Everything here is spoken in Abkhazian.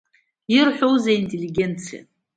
Ирҳәозеи аинтеллигенциа?